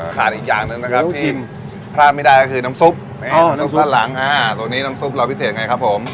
อีกอย่างหนึ่งนะครับที่พลาดไม่ได้ก็คือน้ำซุปน้ำซุดหลังอ่าตัวนี้น้ำซุปเราพิเศษไงครับผม